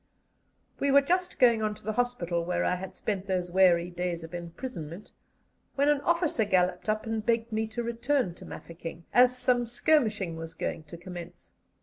We were just going on to the hospital, where I had spent those weary days of imprisonment, when an officer galloped up and begged me to return to Mafeking, as some skirmishing was going to commence.